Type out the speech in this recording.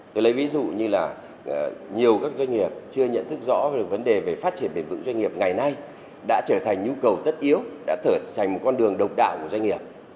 các doanh nghiệp chưa nhận thức rõ về vấn đề về phát triển bền vững doanh nghiệp ngày nay đã trở thành nhu cầu tất yếu đã thở thành một con đường độc đảo của doanh nghiệp